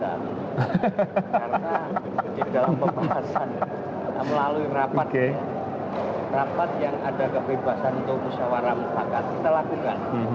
karena dalam pembahasan melalui rapat rapat yang ada kebebasan untuk usaha ramus hak hak kita lakukan